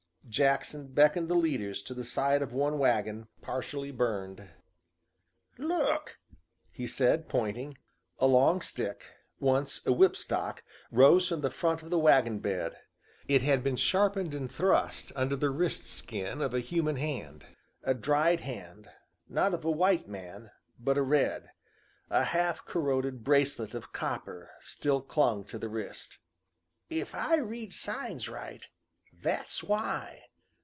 Jackson beckoned the leaders to the side of one wagon, partially burned. "Look," said he, pointing. A long stick, once a whipstock, rose from the front of the wagon bed. It had been sharpened and thrust under the wrist skin of a human hand a dried hand, not of a white man, but a red. A half corroded bracelet of copper still clung to the wrist. "If I read signs right, that's why!"